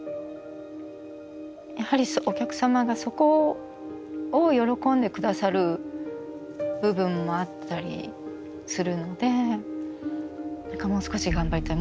やはりお客様がそこを喜んで下さる部分もあったりするのでもう少し頑張りたい